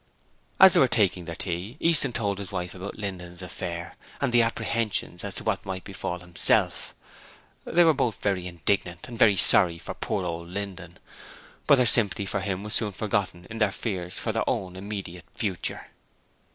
As they were taking their tea Easton told his wife about Linden's affair and his apprehensions as to what might befall himself. They were both very indignant, and sorry for poor old Linden, but their sympathy for him was soon forgotten in their fears for their own immediate future.